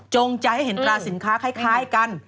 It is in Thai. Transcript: ใจให้เห็นตราสินค้าคล้ายกัน